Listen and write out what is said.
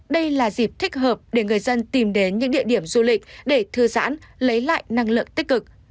đây là dịp thích hợp để người dân tìm đến những địa điểm du lịch để thư giãn lấy lại năng lượng tích cực